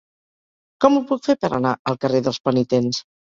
Com ho puc fer per anar al carrer dels Penitents?